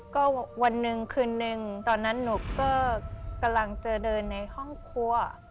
ก็วันหนึ่งคืนนึงตอนนั้นหนูก็กำลังจะเดินในห้องครัว